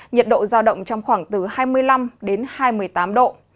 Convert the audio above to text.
nhiệt độ giao động trong khoảng từ hai mươi năm đến hai mươi tám độ